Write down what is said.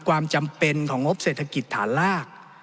ความจำเป็นของงบเศรษฐกิจฐานลาก